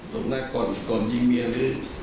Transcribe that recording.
ตบหน้าก่อนยิงเมียหรือ